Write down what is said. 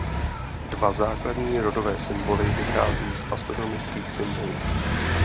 Dva základní rodové symboly vycházejí z astronomických symbolů.